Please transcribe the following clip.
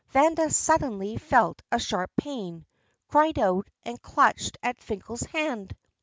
Vanda suddenly felt a sharp pain, cried out, and clutched at Finkel's hand.